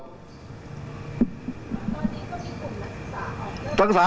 ตอนนี้ก็มีกลุ่มนักศึกษา